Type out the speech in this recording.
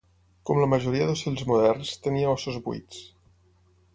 Com la majoria d'ocells moderns, tenia ossos buits.